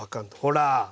ほら！